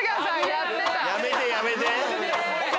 やめてやめて！